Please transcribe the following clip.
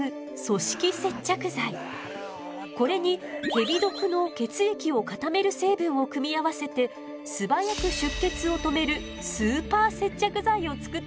これにヘビ毒の血液を固める成分を組み合わせて素早く出血を止めるスーパー接着剤を作ったのよ。